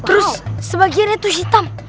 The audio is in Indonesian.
terus sebagiannya tuh hitam